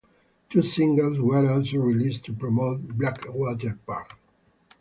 Two singles were also released to promote "Blackwater Park".